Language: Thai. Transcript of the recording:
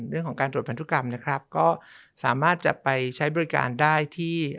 เรื่องของการตรวจพันธุกรรมนะครับก็สามารถจะไปใช้บริการได้ที่